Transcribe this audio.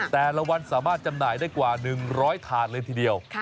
แต่ละวันสามารถจำหน่ายได้กว่า๑๐๐ถาดเลยทีเดียว